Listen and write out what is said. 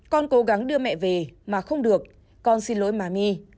con cố gắng đưa mẹ về mà không được con xin lỗi má my